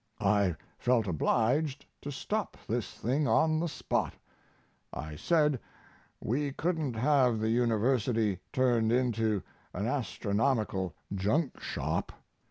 I felt obliged to stop this thing on the spot; I said we couldn't have the University turned into an astronomical junk shop.